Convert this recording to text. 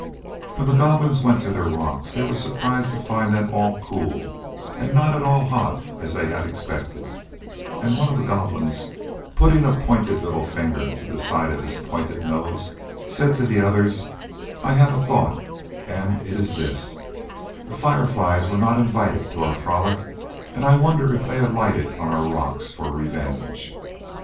When the Goblins went to their rocks they were surprised to find them all cool and not at all hot as they had expected, and one of the Goblins, putting a pointed little finger on the side of his pointed nose said to the others: "I have a thought, and it is this: The Fireflies were not invited to our frolic and I wonder if they alighted on our rocks for revenge?"